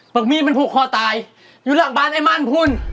มีดมันผูกคอตายอยู่หลังบ้านไอ้มั่นคุณ